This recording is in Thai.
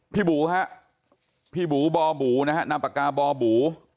พี่บู๊ฮะพี่บู๊บอบู๊นะฮะนับปากกาบอบู๊